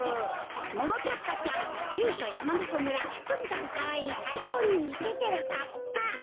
ももかっぱちゃんじゅうしょやまびこ村とにかくかわいいさいこうにイケてるかっぱ。